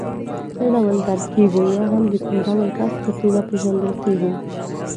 څه ډول درک کېږو یا هم د کوم ډول کس په توګه پېژندل کېږو.